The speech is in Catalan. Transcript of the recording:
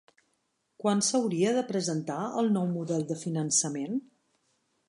Quan s'hauria de presentar el nou model de finançament?